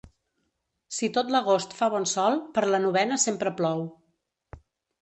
Si tot l'agost fa bon sol, per la novena sempre plou.